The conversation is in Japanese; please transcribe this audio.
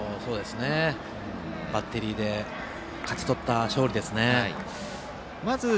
バッテリーで勝ち取った勝利ですね。